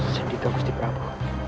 sendika gusti prabu